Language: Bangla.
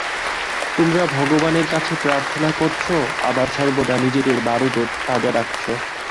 তোমরা ভগবানের কাছে প্রার্থনা করছ, আবার সর্বদা নিজেদের বারুদও তাজা রাখছ।